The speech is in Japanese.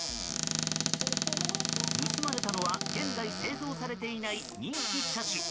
盗まれたのは、現在製造されていない人気車種。